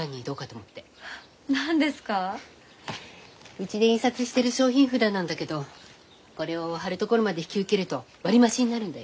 うちで印刷してる商品札なんだけどこれを貼るところまで引き受けると割り増しになるんだよ。